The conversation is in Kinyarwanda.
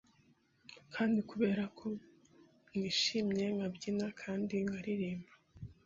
Kandi kubera ko nishimye nkabyina kandi nkaririmba